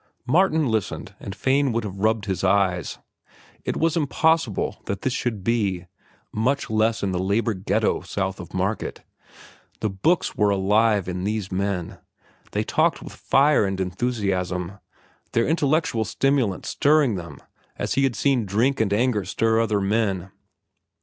Martin listened and fain would have rubbed his eyes. It was impossible that this should be, much less in the labor ghetto south of Market. The books were alive in these men. They talked with fire and enthusiasm, the intellectual stimulant stirring them as he had seen drink and anger stir other men.